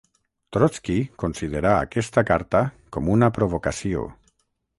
Trotski considerà aquesta carta com una provocació.